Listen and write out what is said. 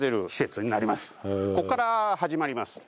ここから始まります。